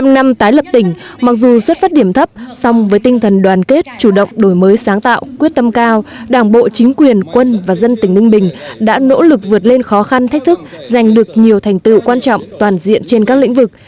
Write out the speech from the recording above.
bảy mươi năm năm tái lập tỉnh mặc dù xuất phát điểm thấp song với tinh thần đoàn kết chủ động đổi mới sáng tạo quyết tâm cao đảng bộ chính quyền quân và dân tỉnh ninh bình đã nỗ lực vượt lên khó khăn thách thức giành được nhiều thành tựu quan trọng toàn diện trên các lĩnh vực